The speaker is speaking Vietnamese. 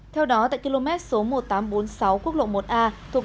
theo đó tại km một nghìn tám trăm bốn mươi sáu quốc lộ một a thuộc địa phòng